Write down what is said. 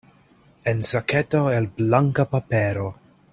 En saketo el blanka papero.